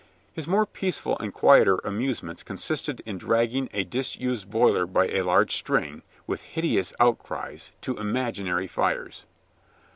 His more peaceful and quieter amusements consisted in dragging a disused boiler by a large string, with hideous outcries, to imaginary fires.